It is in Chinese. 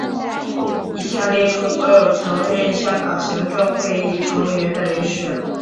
以下列出所有曾任香港行政会议成员的人士。